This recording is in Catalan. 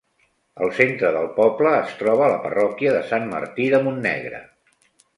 Al centre del poble es troba la parròquia de Sant Martí de Montnegre.